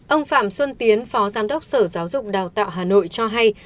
ông phạm xuân tiến phó giám đốc sở giáo dục đào tạo hà nội cho hay